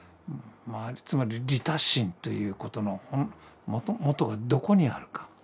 つまり利他心ということのもとがどこにあるか。